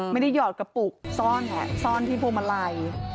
ไม่ได้หยอดกระปุกซ่อนแหงซ่อนที่ภูมิลัย